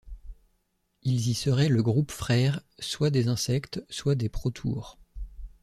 Ils y seraient le groupe frère soit des Insectes, soit des protoures.